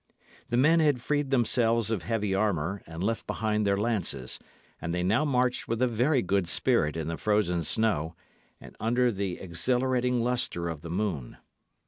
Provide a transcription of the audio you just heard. The men had freed themselves of heavy armour, and left behind their lances; and they now marched with a very good spirit in the frozen snow, and under the exhilarating lustre of the moon.